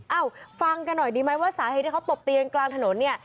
เอ้าฟังกันหน่อยดีไหมว่าสาเหตุที่เขาตบตีกันกลางถนนเนี่ย